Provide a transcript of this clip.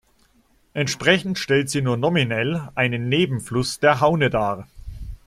Entsprechend stellt sie nur "nominell" einen "Neben"fluss der Haune dar.